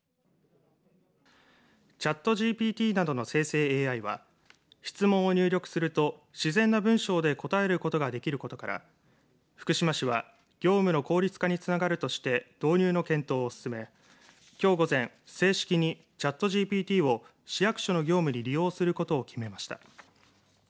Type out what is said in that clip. チャットＧＰＴなどの生成ＡＩは質問を入力すると自然な文章で答えることができることから福島市は業務の効率化につながるとして導入の検討を進め、きょう午前正式にチャットＧＰＴを市役所の業務に利用することを決めました。